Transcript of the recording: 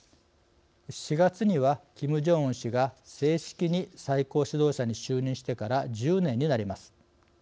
４月には、キム・ジョンウン氏が正式に最高指導者に就任してから１０年になります。